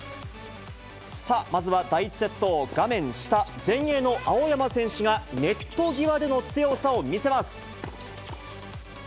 さあ、まずは第１セット、画面下、前衛の青山選手がネット際での強さを見せます。